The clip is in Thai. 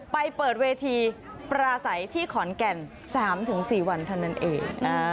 เปิดเวทีปราศัยที่ขอนแก่น๓๔วันเท่านั้นเอง